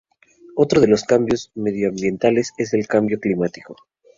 Otro de los retos medioambientales es el cambio climático.